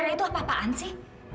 itu apa apaan sih